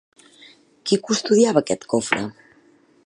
Qui custodiava aquest cofre?